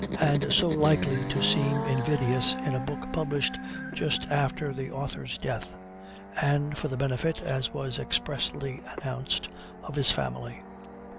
and so likely to seem invidious in a book published just after the author's death, and for the benefit, as was expressly announced, of his family.